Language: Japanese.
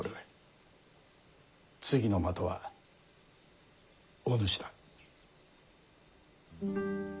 次の的はお主だ。